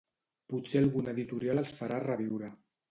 Potser alguna editorial els farà reviure.